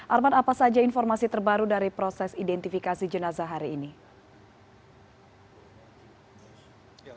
arman apa saja informasi terbaru dari proses identifikasi jenazah hari ini